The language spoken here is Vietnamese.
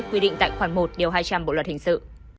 quy định tại khoảng một hai trăm linh bộ luật hình sự